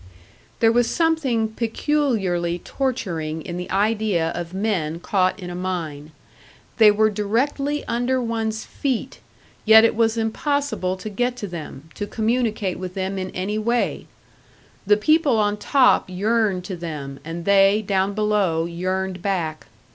There was something peculiarly torturing in the idea of men caught in a mine; they were directly under one's feet, yet it was impossible to get to them, to communicate with them in any way! The people on top yearned to them, and they, down below, yearned back.